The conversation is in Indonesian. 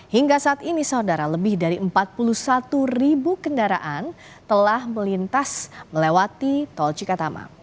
hingga saat ini saudara lebih dari empat puluh satu ribu kendaraan telah melintas melewati tol cikatama